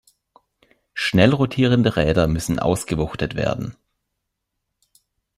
Schnell rotierende Räder müssen ausgewuchtet werden.